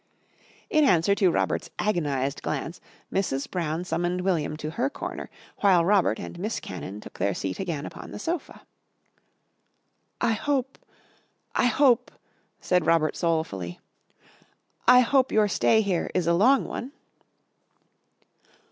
In answer to Robert's agonised glance, Mrs. Brown summoned William to her corner, while Robert and Miss Cannon took their seat again upon the sofa. "I hope I hope," said Robert soulfully, "I hope your stay here is a long one?"